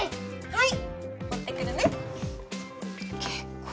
はい！